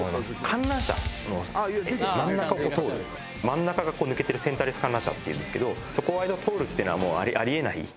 観覧車の真ん中を通る真ん中が抜けてるセンターレス観覧車っていうんですけどそこの間を通るっていうのはもうあり得ない。